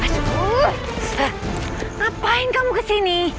ngapain kamu kesini